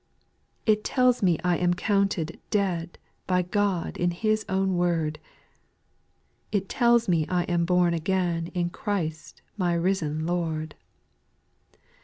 7. It tells me I am counted " dead" By God in His own word, It tells me T am " born again" In Christ my risen Lord.